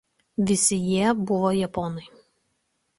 Visi jie buvo japonai.